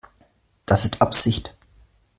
Das ist Absicht.